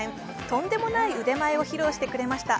とんでもない腕前を披露してくれました。